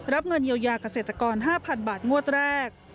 เงินเยียวยาเกษตรกร๕๐๐๐บาทงวดแรก